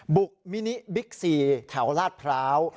บุกมินิบิ๊กซีแถวลาดพร้าว